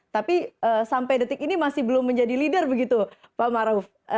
tapi sampai detik ini masih belum menjadi leader begitu pak maruf